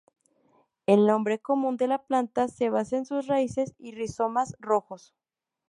El nombre común de la planta se basa en sus raíces y rizomas rojos.